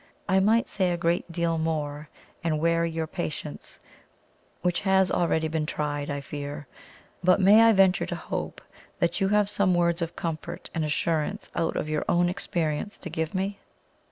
... I might say a great deal more and weary your patience, which has already been tried, I fear. But may I venture to hope that you have some words of comfort and assurance out of your own experience to give me?